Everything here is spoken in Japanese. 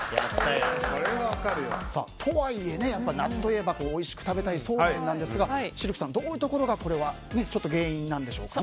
とはいえ、夏といえばおいしく食べたいそうめんですがシルクさん、どういうところがこれは原因になるんでしょうか。